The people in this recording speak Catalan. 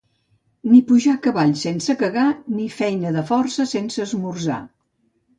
Ni pujar a cavall sense cagar, ni feina de força sense esmorzar.